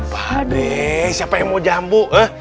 pak deh siapa yang mau jambu eh